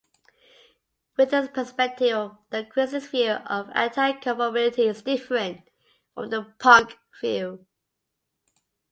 Within this perspective, the Christian's view of anticonformity is different from the punk view.